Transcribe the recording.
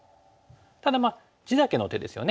ただまあ地だけの手ですよね。